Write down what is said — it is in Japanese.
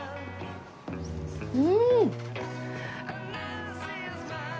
うん！